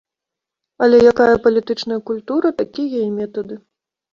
Але якая палітычная культура, такія і метады.